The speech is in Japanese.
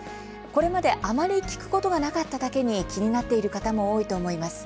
これまであまり聞くことがなかっただけに気になっている方も多いと思います。